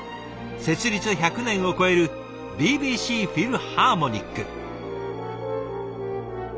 設立１００年を超えるＢＢＣフィルハーモニック。